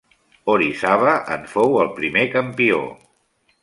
Orizaba en fou el primer campió.